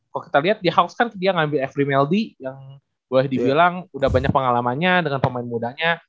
kalau kita lihat di house kan dia ngambil every meldi yang boleh dibilang udah banyak pengalamannya dengan pemain mudanya